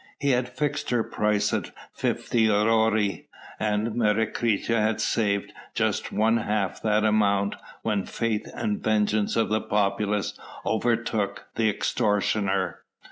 He had fixed her price as fifty aurei, and Menecreta had saved just one half that amount when fate and the vengeance of the populace overtook the extortioner.